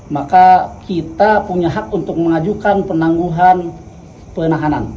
maka kita punya hak untuk mengajukan penangguhan penahanan